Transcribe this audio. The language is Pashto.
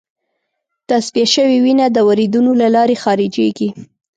تصفیه شوې وینه د وریدونو له لارې خارجېږي.